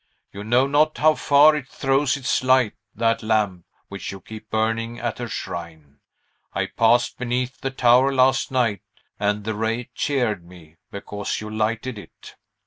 You know not how far it throws its light, that lamp which you keep burning at her shrine! I passed beneath the tower last night, and the ray cheered me, because you lighted it."